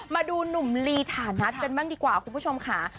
มาดูหนุ่มลีฐานัทกันบ้างดีกว่าคุณผู้ชมค่ะ